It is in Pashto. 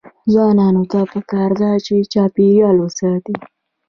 ځوانانو ته پکار ده چې، چاپیریال وساتي.